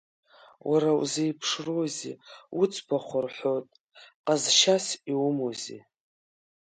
Уара узеиԥшрозеи, уӡбахә рҳәот, ҟазшьас иумозеи?